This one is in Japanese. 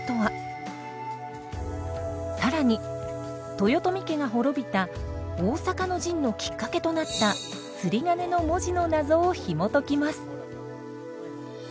更に豊臣家が滅びた大坂の陣のきっかけとなった釣り鐘の文字の謎をひもときます。